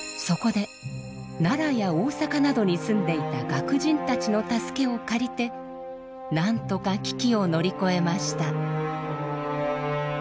そこで奈良や大阪などに住んでいた楽人たちの助けを借りてなんとか危機を乗り越えました。